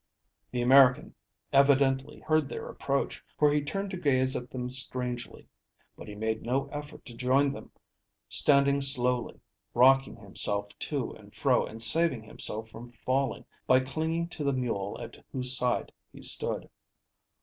The American evidently heard their approach, for he turned to gaze at them strangely; but he made no effort to join them, standing slowly rocking himself to and fro and saving himself from falling by clinging to the mule at whose side he stood.